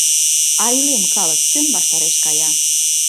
А илем калык кӧн ваштареш кая?